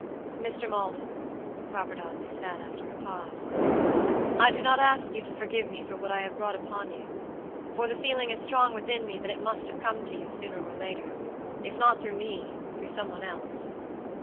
"Mr. Maldon," Robert Audley said, after a pause, "I do not ask you to forgive me for what I have brought upon you, for the feeling is strong within me that it must have come to you sooner or laterif not through me, through some one else.